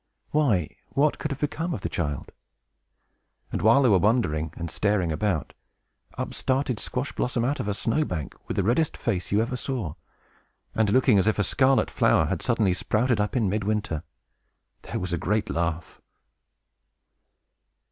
Why, what could have become of the child? And while they were wondering and staring about, up started Squash Blossom out of a snow bank, with the reddest face you ever saw, and looking as if a large scarlet flower had suddenly sprouted up in midwinter. Then there was a great laugh.